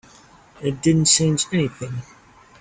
It didn't change anything.